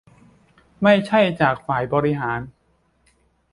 ไม่ใช่จากฝ่ายบริหาร